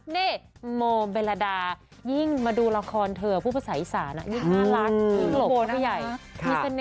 เน่โมเบลลาดายิ่งมาดูละครเธอผู้ภาษาอีสาน่ะยิ่งน่ารักยิ่งหลบพอใหญ่มีเสน่ห์